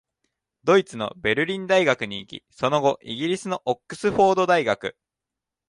ドイツのベルリン大学に行き、その後、イギリスのオックスフォード大学、